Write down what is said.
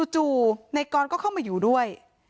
จู่ในกรก็เข้ามาอยู่ด้วย